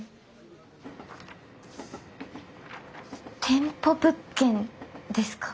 店舗物件ですか。